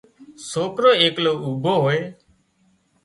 سوڪرو ايڪلو اوڀو هوئي